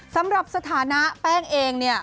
สำหรับสถานะแป้งเอง